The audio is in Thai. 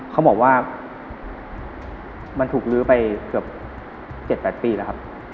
เขาบอกว่ามันถูกลื้อไปเกือบ๗๘ปีแล้วครับ